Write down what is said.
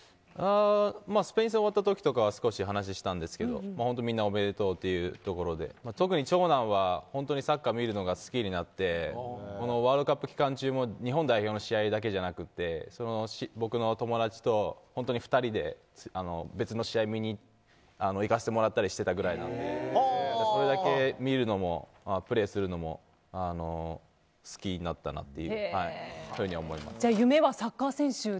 スペイン戦が終わったときとかは少し話したんですが、みんなおめでとうというところで特に長男は本当にサッカーを見るのが好きになってワールドカップ期間中も日本代表の試合だけじゃなくて僕の友達と２人で別の試合を見に行かせてもらったりしていたぐらいなのでそれだけ見るのもプレーするのも好きになったなというふうに思います。